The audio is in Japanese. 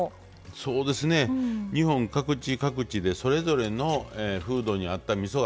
そうですね日本各地各地でそれぞれの風土に合ったみそがありますんでね。